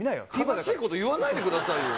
悲しいこと言わないでくださいよ。